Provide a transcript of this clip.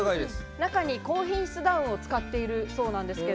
中に高品質ダウンを使っているそうです。